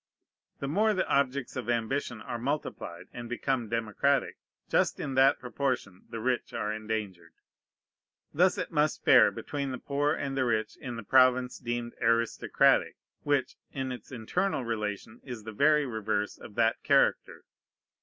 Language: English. The more the objects of ambition are multiplied and become democratic, just in that proportion the rich are endangered. Thus it must fare between the poor and the rich in the province deemed aristocratic, which in its internal relation is the very reverse of that character.